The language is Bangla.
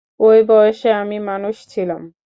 ঐ বয়সে আমি মানুষ ছিলাম।